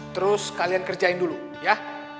terus kalian kerjain dulu ya